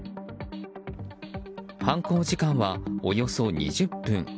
犯行時間は、およそ２０分。